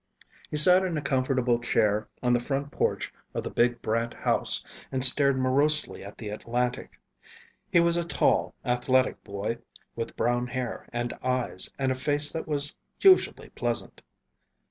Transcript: He sat in a comfortable chair on the front porch of the big Brant house and stared morosely at the Atlantic. He was a tall, athletic boy with brown hair and eyes and a face that was usually pleasant.